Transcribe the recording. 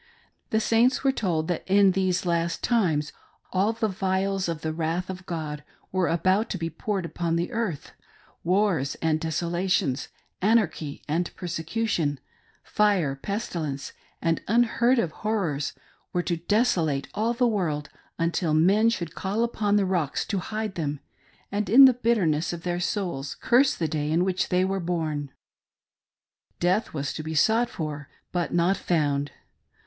The Saints were told that in these last times all the Vials of the Wrath of God were about to be poured upon the earth ; wars and deso lations, anarchy and persecution, fire, pestilence, and unheard of horrors, were to desolate all the world, until men should call upon the rocks to hide them, and in the bitterness of their souls curse the day in which they were born ; death was to be sought for, but not found.